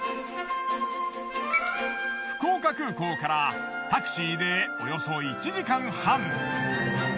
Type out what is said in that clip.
福岡空港からタクシーでおよそ１時間半。